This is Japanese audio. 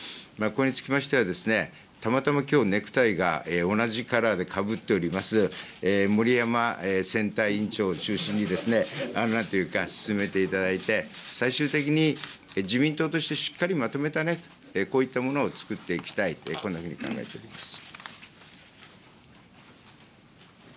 これにつきましては、たまたまきょう、ネクタイが同じカラーでかぶっております森山選対委員長を中心に、なんていうか進めていただいて、最終的に、自民党としてしっかりまとめた、こういったものを作っていきたい、こんなふうに考えております。